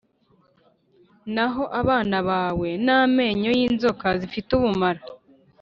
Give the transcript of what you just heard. Naho abana bawe, n’amenyo y’inzoka zifite ubumara